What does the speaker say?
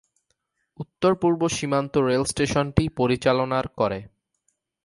উত্তর-পূর্ব সীমান্ত রেল স্টেশনটি পরিচালনার করে।